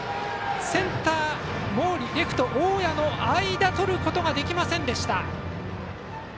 センター、毛利レフト、大矢の間で、とることができませんでした。